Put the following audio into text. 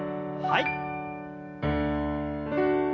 はい。